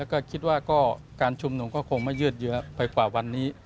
ก็คิดว่าก็การชุมนุมก็คงไม่ยืดเยอะไปกว่าวันนี้